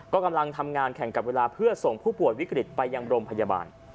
ก็กำลังทำงานแข่งกับเวลาเพื่อส่งผู้ป่วยวิกฤตไปยังโรงพยาบาล